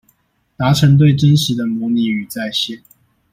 達成對真實的模擬與再現